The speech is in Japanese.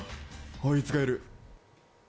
あいつがいる！